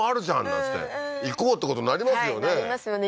なんつって行こうってことになりますよねなりますよね